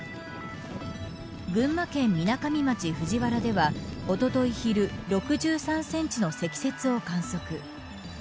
群馬県みなかみ町藤原ではおととい昼６３センチの積雪を観測。